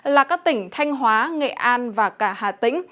là các tỉnh thanh hóa nghệ an và cả hà tĩnh